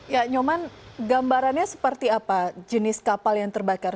ya nyoman gambarannya seperti apa jenis kapal yang terbakar